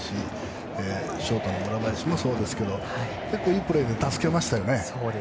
ショートの村林もそうですけど結構いいプレーで助けましたよね。